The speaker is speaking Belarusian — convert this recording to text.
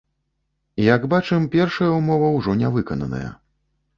Як бачым, першая ўмова ўжо не выкананая.